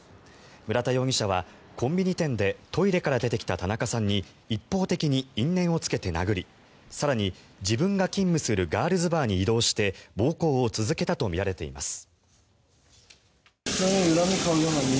村田容疑者は、コンビニ店でトイレから出てきた田中さんに一方的に因縁をつけて殴り更に、自分が勤務するガールズバーに移動して暴行を続けたとみられています。